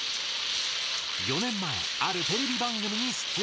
４年前あるテレビ番組に出演。